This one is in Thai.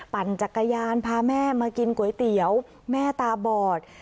ปั่นจักรยานพาแม่มากินก๋วยเตี๋ยวแม่ตาบอด